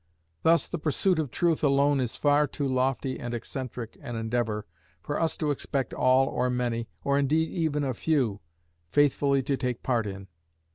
Thus the pursuit of truth alone is far too lofty and eccentric an endeavour for us to expect all or many, or indeed even a few, faithfully to take part in.